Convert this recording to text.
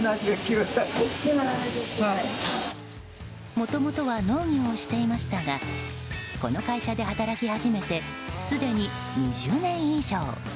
もともとは農業をしていましたがこの会社で働き始めてすでに２０年以上。